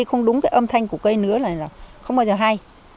không đúng cái âm thanh của cây nứa là không bao giờ hay